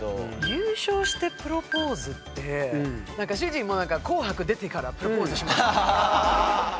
「優勝してプロポーズ」ってなんか主人も「紅白」出てからプロポーズします。